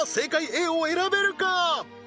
Ａを選べるか？